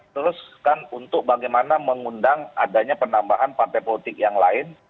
terus kan untuk bagaimana mengundang adanya penambahan partai politik yang lain